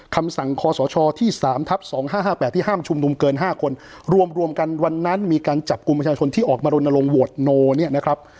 คำสั่งคที่สามทับสองห้าห้าแปดที่ห้ามชุมนุมเกินห้าคนรวมรวมกันวันนั้นมีการจับกุมประชาชนที่ออกมาลงโนเนี่ยนะครับ